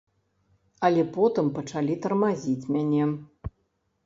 Але потым пачалі тармазіць мяне.